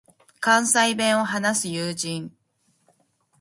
関西弁を話す友人